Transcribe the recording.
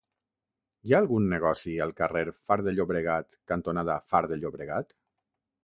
Hi ha algun negoci al carrer Far de Llobregat cantonada Far de Llobregat?